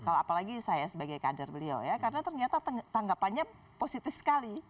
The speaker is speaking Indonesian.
kalau apalagi saya sebagai kader beliau ya karena ternyata tanggapannya positif sekali